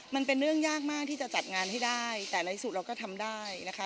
มันเป็นเรื่องยากมากที่จะจัดงานให้ได้แต่ในสุดเราก็ทำได้นะคะ